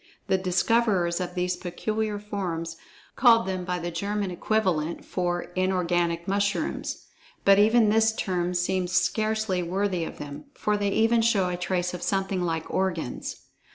The discoverers of these peculiar forms, called them by the German equivalent for "inorganic mushrooms," but even this term seems scarcely worthy of them, for they even show a trace of something like organs.